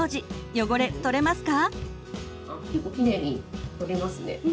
汚れ取れますか？